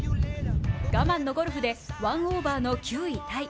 我慢のゴルフで１オーバーの９位タイ。